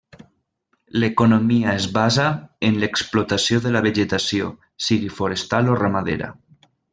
L'economia es basa en l'explotació de la vegetació, sigui forestal o ramadera.